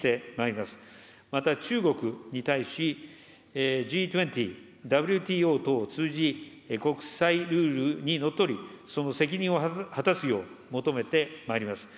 また中国に対し、Ｇ２０、ＷＴＯ等を通じ、国際ルールにのっとり、その責任を果たすよう求めてまいります。